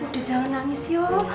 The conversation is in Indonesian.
udah jangan nangis yuk